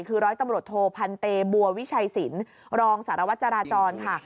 คือร้อยตำรวจโทพันเตบัววิชัยสินรองสารวัตรจราจรค่ะ